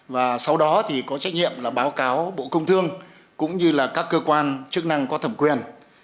và sau đó thì có trách nhiệm là báo cáo bộ công thương cũng như là các cơ quan chức năng có thẩm quyền